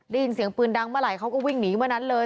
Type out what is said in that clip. ได้ยินเสียงปืนดังเมื่อไหร่เขาก็วิ่งหนีเมื่อนั้นเลย